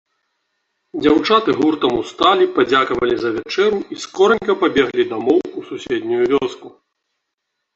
Дзяўчаты гуртам усталі, падзякавалі за вячэру і скоранька пабеглі дамоў у суседнюю вёску.